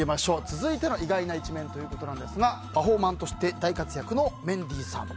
続いての意外な一面ということなんですがパフォーマーとして大活躍のメンディーさん。